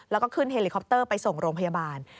แล้วก็ขึ้นเฮลิคอปเตอร์ไปส่งโรงพยาบาล